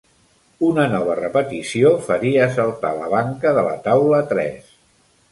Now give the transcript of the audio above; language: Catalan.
Una nova repetició faria saltar la banca de la taula tres.